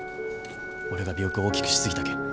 俺が尾翼を大きくしすぎたけん。